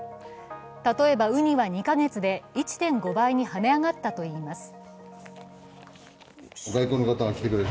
例えば、うには２か月で１．５倍にはね上がったといいます。